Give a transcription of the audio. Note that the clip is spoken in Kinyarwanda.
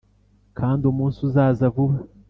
Kand' umuns' uzaza vuba,